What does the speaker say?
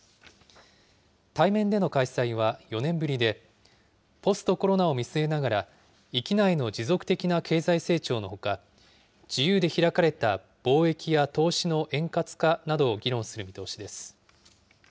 対面での開催は４年ぶりで、ポストコロナを見据えながら、域内の持続的な経済成長のほか、自由で開かれた貿易や投資の円滑化などを議論する見通しです。